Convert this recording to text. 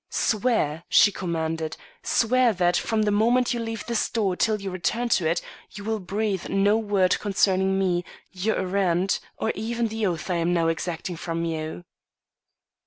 "Swear!" she commanded; "swear that, from the moment you leave this door till you return to it, you will breathe no word concerning me, your errand, or even the oath I am now exacting from you."